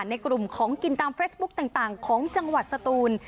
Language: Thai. ในกลุ่มของกินตามเฟซบุ๊คต่างของจังหวัดสตูน